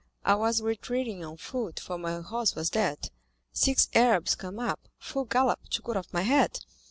"I was retreating on foot, for my horse was dead. Six Arabs came up, full gallop, to cut off my head.